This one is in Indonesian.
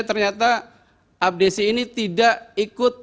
ternyata abdesi ini tidak ikut